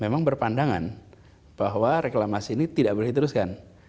memang berpandangan bahwa reklamasi ini tidak boleh diteruskan